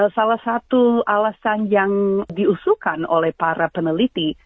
salah satu alasan yang diusulkan oleh para peneliti